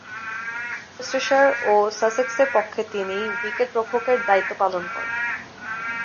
Worcestershire ও সাসেক্সের পক্ষে তিনি উইকেট-রক্ষকের দায়িত্ব পালন করেন।